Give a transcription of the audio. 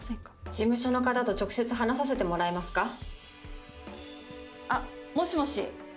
事務所の方と直接話させてもらえますかあっもしもし